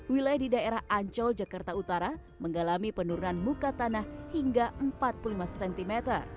wilayah di daerah ancol jakarta utara mengalami penurunan muka tanah hingga empat puluh lima cm